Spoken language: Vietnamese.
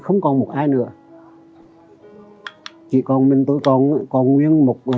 không còn một ai nữa chỉ còn mình tôi còn nguyên một